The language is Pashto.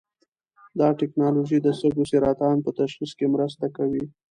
دا ټېکنالوژي د سږو سرطان په تشخیص کې مرسته کوي.